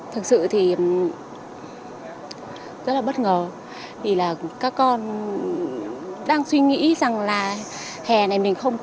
thực sự thì rất là bất ngờ vì là các con đang suy nghĩ rằng là hè này mình không có